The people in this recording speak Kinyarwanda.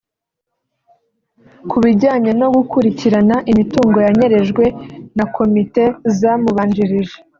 Ku bijyanye no gukurikirana imitungo yanyerejwe na komite zamubanjirije